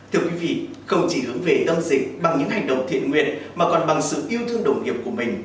thưa quý vị không chỉ hướng về tâm dịch bằng những hành động thiện nguyện mà còn bằng sự yêu thương đồng nghiệp của mình